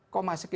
kok masih dua